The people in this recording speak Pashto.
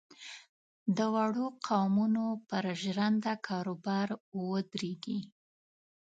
د وړو قومونو پر ژرنده کاروبار ودرېږي.